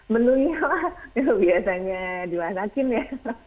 menunya lah biasanya di mas akin ya